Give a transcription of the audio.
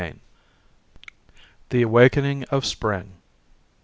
Austin. THE AWAKENING OF SPRING.